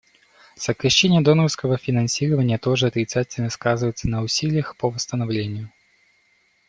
Сокращение донорского финансирования тоже отрицательно сказывается на усилиях по восстановлению.